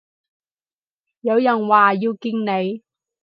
有人話要見你